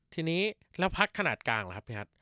ทีนี้แล้วพักขนาดกลางล่ะครับพี่ฮัท